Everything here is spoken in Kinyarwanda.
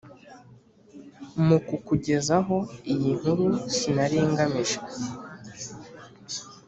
mu kukugezaho iyi nkuru sinari ngamije